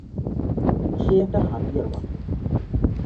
সে একটা হাতিয়ার মাত্র।